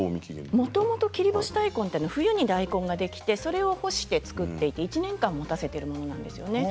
もともと切り干し大根はふ入り大根ができてそれを干して作っていて１年間もたせているものなんですね。